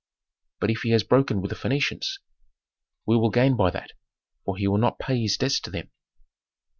"But if he has broken with the Phœnicians?" "He will gain by that; for he will not pay his debts to them."